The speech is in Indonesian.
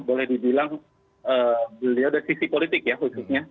boleh dibilang beliau dari sisi politik ya khususnya